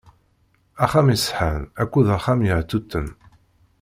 Axxam iṣeḥḥan akked uxxam yehtutan.